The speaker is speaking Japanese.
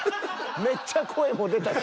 めっちゃ声も出たし。